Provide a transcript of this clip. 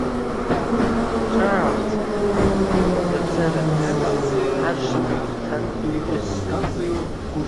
Ҿаалҭит, лыбӷаӡара ҭарс, ашҭа агәҭантә ԥҳәыск.